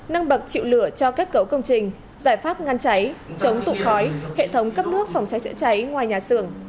năng bậc chịu lửa cho kết cấu công trình giải pháp ngăn cháy chống tụ khói hệ thống cấp nước phòng cháy chữa cháy ngoài nhà xưởng